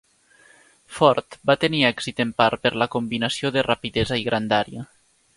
Ford va tenir èxit en part per la combinació de rapidesa i grandària.